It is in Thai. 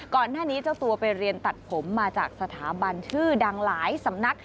เจ้าตัวไปเรียนตัดผมมาจากสถาบันชื่อดังหลายสำนัก